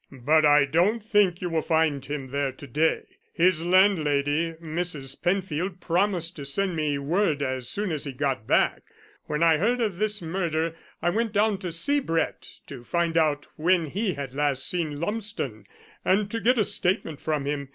"But I don't think you will find him there to day. His landlady, Mrs. Penfield, promised to send me word as soon as he got back. When I heard of this murder I went down to see Brett to find out when he had last seen Lumsden, and to get a statement from him.